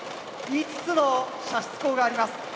５つの射出構があります。